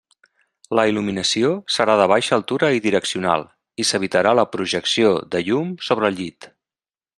La il·luminació serà de baixa altura i direccional, i s'evitarà la projecció de llum sobre el llit.